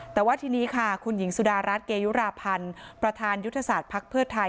แต่ว่าทีนี้ค่ะคุณหญิงสุดารัฐเกยุราพันธ์ประธานยุทธศาสตร์ภักดิ์เพื่อไทย